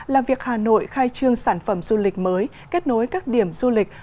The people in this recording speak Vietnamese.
là việc hà nội khai trương sản phẩm du lịch mới kết nối các điểm du lịch